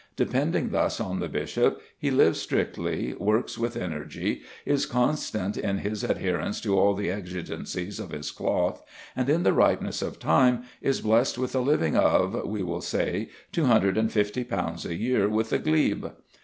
Depending thus on the bishop, he lives strictly, works with energy, is constant in his adherence to all the exigencies of his cloth, and in the ripeness of time is blessed with a living of, we will say, two hundred and fifty pounds a year with a glebe.